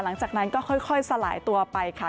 หลังจากนั้นก็ค่อยสลายตัวไปค่ะ